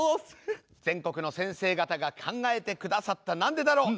全国の先生方が考えて下さった「なんでだろう」